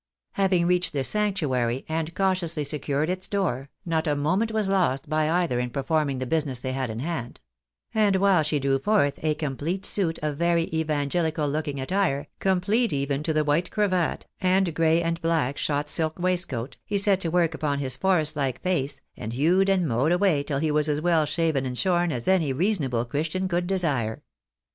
Having reached this sanctuary and cautiously secured its door, not a moment was lost by either in performing the business they had in hand ; and while she drew forth a complete suit of very evangeUcal looking attire, complete even to the white cravat, and gray and black shot silk waistcoat, he set to work upon his forest like face, and hewed and mowed away till he was as well shaven and shorn as any reasonable Christian could desire.